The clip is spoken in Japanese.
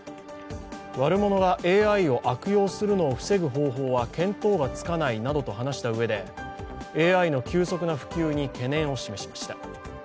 悪者がＡＩを悪用するのを防ぐ方法は、見当がつかないなどと話したうえで、ＡＩの急速な普及に懸念を示しました。